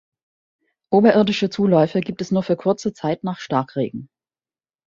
Oberirdische Zuläufe gibt es nur für kurze Zeit nach Starkregen.